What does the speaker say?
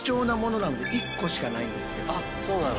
あっそうなの？